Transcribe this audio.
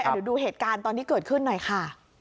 เดี๋ยวดูเหตุการณ์ตอนที่เกิดขึ้นหน่อยค่ะ